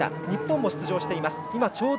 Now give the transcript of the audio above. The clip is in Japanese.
日本も出場しています。